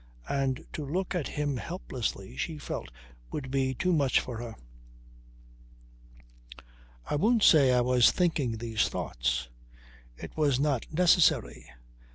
And to look at him helplessly she felt would be too much for her. I won't say I was thinking these thoughts. It was not necessary.